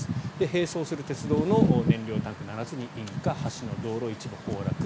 並走する鉄道の燃料タンク７つに引火橋の道路、一部崩落。